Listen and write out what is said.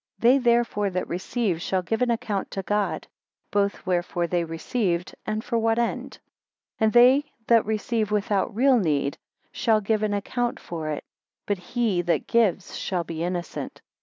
They therefore that receive shall give an account to God, both wherefore they received and for what end. 8 And they that receive without real need, shall give an account for it; but he that gives shall be innocent.